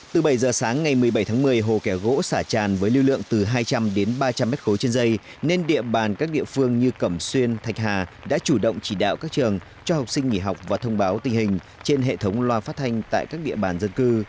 từ bảy giờ sáng ngày một mươi bảy tháng một mươi hồ kẻ gỗ xả tràn với lưu lượng từ hai trăm linh đến ba trăm linh m ba trên dây nên địa bàn các địa phương như cẩm xuyên thạch hà đã chủ động chỉ đạo các trường cho học sinh nghỉ học và thông báo tình hình trên hệ thống loa phát thanh tại các địa bàn dân cư